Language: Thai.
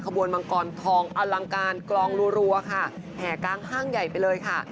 บวนมังกรทองอลังการกลองรัวค่ะแห่กลางห้างใหญ่ไปเลยค่ะ